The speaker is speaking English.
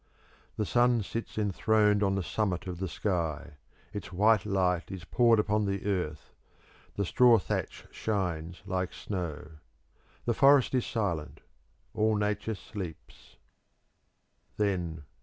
The sun sits enthroned on the summit of the sky; its white light is poured upon the earth; the straw thatch shines like snow. The forest is silent; all nature sleeps.